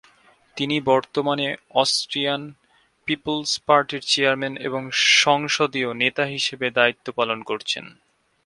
তিনি বর্তমানে Austrian People's পার্টির চেয়ারম্যান এবং সংসদীয় নেতা হিসেবে দায়িত্ব পালন করছেন।